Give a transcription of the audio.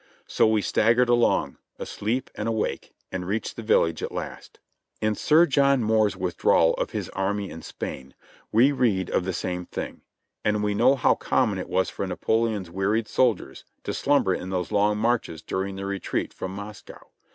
So we staggered along, asleep and awake, and reached the village at last. In Sir John Moore's withdrawal of his army in Spain we read of the same thing ; and we know how common it was for Napo leon's wearied soldiers to slumber in those long marches during the retreat from Moscow.